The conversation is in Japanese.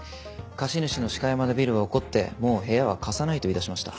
貸主の鹿山田ビルは怒って「もう部屋は貸さない」と言いだしました。